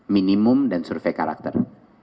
minimum dan survei karakter